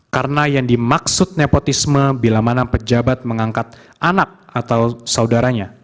karena yang dimaksud nepotisme bila mana pejabat mengangkat anak atau saudaranya